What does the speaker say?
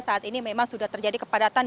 saat ini memang sudah terjadi kepadatan